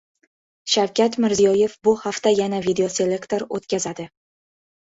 Shavkat Mirziyoyev bu hafta yana videoselektor o‘tkazadi